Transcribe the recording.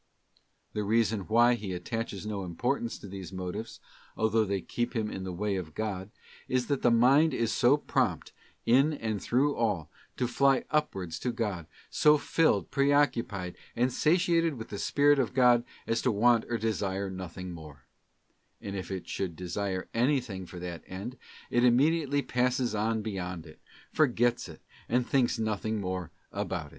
The reason why he attaches no importance to these motives, although they keep him in the way of God, is that the mind is so prompt, in and through all, to fly upwards to God, so filled, preoccupied, and satiated with the Spirit of God as to want or desire nothing more: and if it should desire anything for that end, it immediately passes on beyond it, forgets it, and thinks nothing more about it.